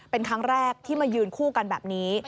เป็นครั้งแรกที่มายืนคู่กันแบบนี้